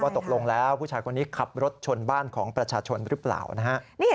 ตกลงแล้วผู้ชายคนนี้ขับรถชนบ้านของประชาชนหรือเปล่านะฮะ